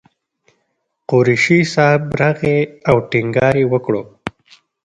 قریشي صاحب راغی او ټینګار یې وکړ.